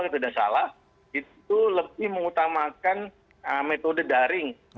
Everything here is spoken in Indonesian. kalau tidak salah itu lebih mengutamakan metode daring